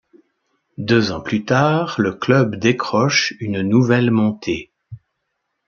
Deux ans plus tard, le club décroche une nouvelle montée.